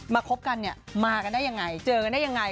คบกันเนี่ยมากันได้ยังไงเจอกันได้ยังไง